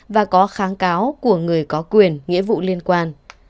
và có kháng cáo của người có quyền nghĩa vụ liên quan